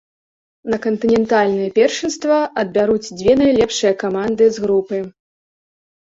На кантынентальнае першынства адбяруць дзве найлепшыя каманды з групы.